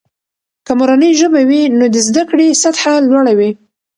که مورنۍ ژبه وي، نو د زده کړې سطحه لوړه وي.